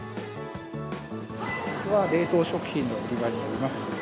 ここが冷凍食品の売り場になります。